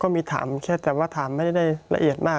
พี่เรื่องมันยังไงอะไรยังไง